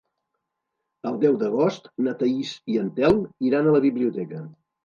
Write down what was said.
El deu d'agost na Thaís i en Telm iran a la biblioteca.